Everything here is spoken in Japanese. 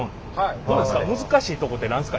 どうですか？